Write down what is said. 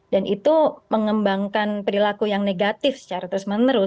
dan itu mengembangkan perilaku yang negatif secara terus menerus